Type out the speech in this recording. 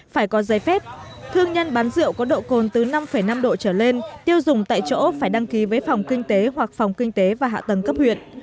phải có giấy phép thương nhân bán rượu có độ cồn từ năm năm độ trở lên tiêu dùng tại chỗ phải đăng ký với phòng kinh tế hoặc phòng kinh tế và hạ tầng cấp huyện